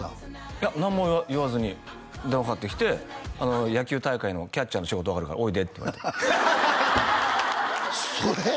いや何も言わずに電話かかってきて野球大会のキャッチャーの仕事があるからおいでって言われてそれ？